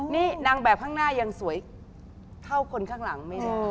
นี่นางแบบข้างหน้ายังสวยเข้ากลคนข้างหลัง